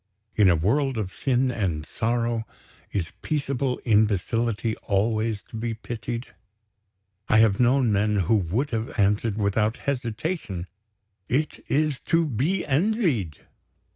In a world of sin and sorrow, is peaceable imbecility always to be pitied? I have known men who would have answered, without hesitation: "It is to be envied."